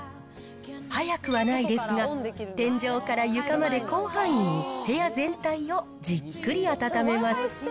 早くはないですが、天井から床まで広範囲に部屋全体をじっくり温めます。